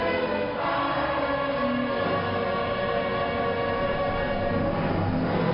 ตามอย่างสองทัยมีทุกภาพหายลิข